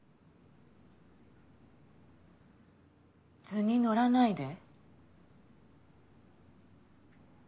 図に乗らないで。